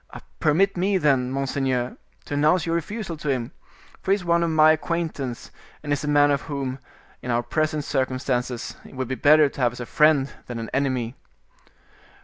"Permit me then, monseigneur, to announce your refusal to him; for he is one of my acquaintance, and is a man whom, in our present circumstances, it would be better to have as a friend than an enemy."